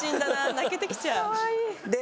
泣けてきちゃう。